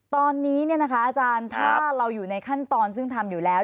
ตอนนี้อาจารย์ถ้าเราอยู่ในขั้นตอนซึ่งทำอยู่แล้ว